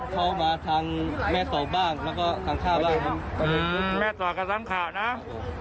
เข้ามาทางแม่โสวบ้านแล้วก็ทางข้าบ้าน